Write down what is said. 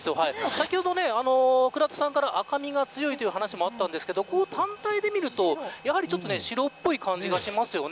先ほど倉田さんから、赤みが強いという話もあったんですけど単体で見るとやはり白っぽい感じがしますよね。